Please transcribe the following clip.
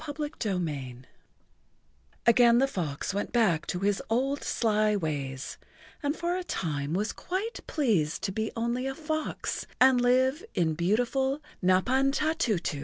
[Pg 69] CHAPTER V AGAIN the fox went back to his old sly ways, and for a time was quite pleased to be only a fox and live in beautiful Napantatutu.